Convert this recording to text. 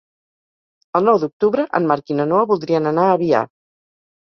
El nou d'octubre en Marc i na Noa voldrien anar a Biar.